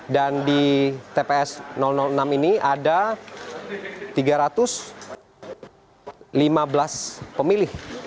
dan di tps enam ini ada tiga ratus lima belas pemilih